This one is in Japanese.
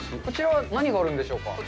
こちらは何があるんでしょうか。